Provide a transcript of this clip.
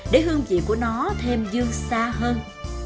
để hương vị của nó thêm dương xa hơn